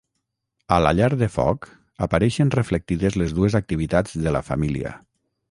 A la llar de foc apareixen reflectides les dues activitats de la família.